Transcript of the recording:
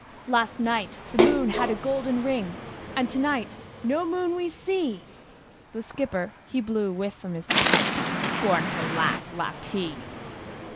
"Last night, the moon had a golden ring, And tonight no moon we see!" The skipper, he blew a whiff from his pipe, And a scornful laugh laughed he.